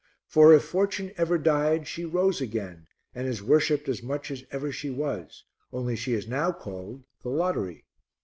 For if Fortune ever died she rose again and is worshipped as much as ever she was, only she is now called the Lottery."